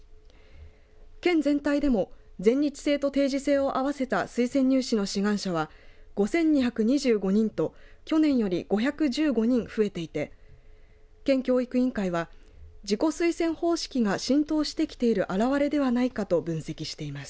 県全体でも全日制と定時制を合わせた推薦入試の志願者は５２２５人と去年より５１５人増えていて県教育委員会は自己推薦方式が浸透してきている表れではないかと分析しています。